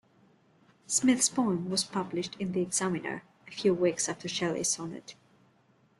Smith's poem was published in "The Examiner" a few weeks after Shelley's sonnet.